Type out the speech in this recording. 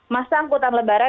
masa angkutan lebaran